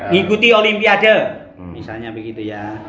ngikuti olimpiade misalnya begitu ya